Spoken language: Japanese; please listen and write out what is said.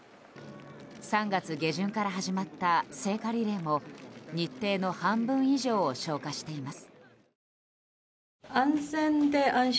３月下旬から始まった聖火リレーも日程の半分以上を消化しています。